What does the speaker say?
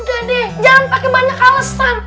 udah deh jangan pakai banyak alesan